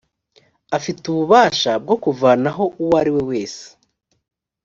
afite ububasha bwo kuvanaho uwo ariwe wese